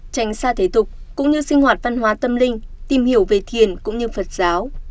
tránh xa thể tục cũng như sinh hoạt văn hóa tâm linh tìm hiểu về thiền cũng như phật giáo